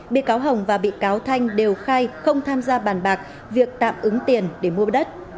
bị cáo hồng và bị cáo thanh đều khai không tham gia bàn bạc việc tạm ứng tiền để mua đất